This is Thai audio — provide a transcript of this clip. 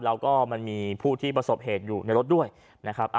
แล้วก็มันมีผู้ที่ประสบเหตุอยู่ในรถด้วยนะครับ